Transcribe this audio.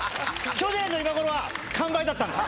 去年の今頃は完売だったんだ。